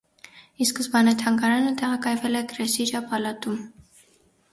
Ի սկզբանե թանգարանը տեղակայվել է Կրեսիջա պալատում։